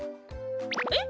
えっ？